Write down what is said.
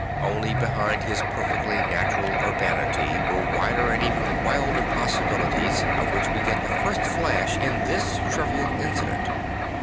Only behind his perfectly natural urbanity were wider and even wilder possibilities, of which we get the first flash in this trivial incident.